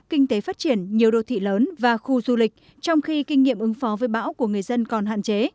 kinh tế phát triển nhiều đô thị lớn và khu du lịch trong khi kinh nghiệm ứng phó với bão của người dân còn hạn chế